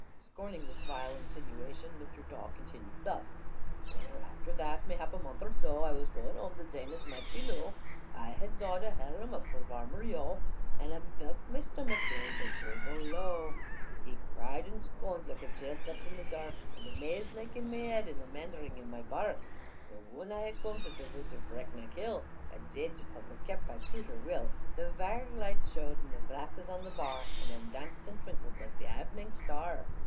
Scorning this vile insinuation, Mr. Dawe continued thus: "Wull, after that, mayhap a month or zo, I was gooin home, the zame as maight be noo: I had zawed a hellum up for Varmer Yeo, And a velt my stommick gooin turble low, Her cried and skooned, like a chield left in the dark, And a maze laike in my head, and a maundering in my barck. Zo whun ai coom to the voot of Breakneck hill, I zeed the public kept by Pewter Will: The virelight showed the glasses in the bar, And 'um danced and twinkled like the avening star."